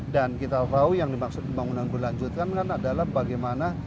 dan kita tahu yang dimaksud pembangunan berkelanjutan kan adalah bagaimana